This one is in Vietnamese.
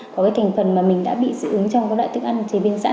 có cái thành phần mà mình đã bị dị ứng trong các loại thức ăn chế biến sẵn